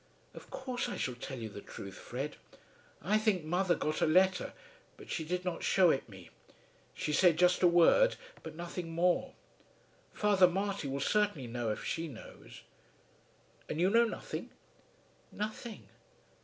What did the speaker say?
"Of course I shall tell you the truth, Fred. I think mother got a letter, but she did not shew it me. She said just a word, but nothing more. Father Marty will certainly know if she knows." "And you know nothing?" "Nothing."